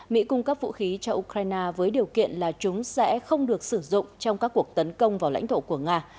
mỹ cung cấp vũ khí cho ukraine với điều kiện là chúng sẽ không được sử dụng trong các cuộc tấn công vào lãnh thổ của nga